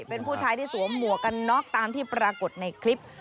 เป็นผู้ชายที่สวมหมวกกันน็อกตามที่ปรากฏในคลิป